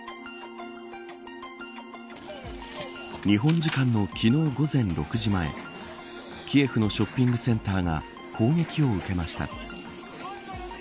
日本時間の昨日午前６時前キエフのショッピングセンターが攻撃を受けました。